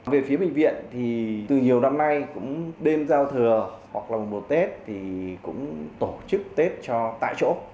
về phía bệnh viện thì từ nhiều năm nay cũng đêm giao thừa hoặc là mùa tết thì cũng tổ chức tết cho tại chỗ